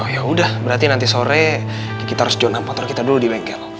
yaudah berarti nanti sore kita harus jual nampak tol kita dulu di bengkel